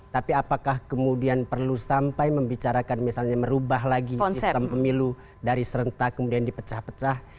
tapi apakah kemudian perlu sampai membicarakan misalnya merubah lagi sistem pemilu dari serentak kemudian dipecah pecah